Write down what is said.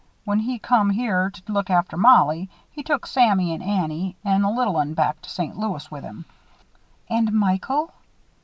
When he come here to look after Mollie, he took Sammy and Annie and the little 'un back to St. Louis with him." "And Michael?"